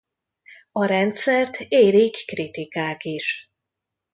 A rendszert érik kritikák is.